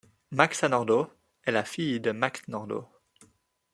Maxa Nordau est la fille de Max Nordau.